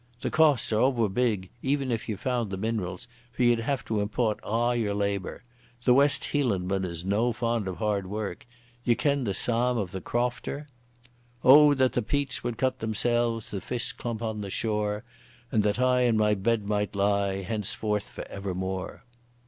"The costs are ower big, even if ye found the minerals, for ye'd have to import a' your labour. The West Hielandman is no fond o' hard work. Ye ken the psalm o' the crofter? O that the peats would cut themselves, The fish chump on the shore, And that I in my bed might lie Henceforth for ever more!